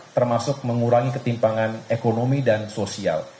termasuk mengurangi ketimpangan ekonomi dan sosial